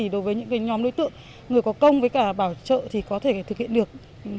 đối với những nhóm đối tượng người có công với cả bảo trợ thì có thể thực hiện được